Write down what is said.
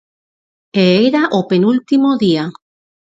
E era o penúltimo día.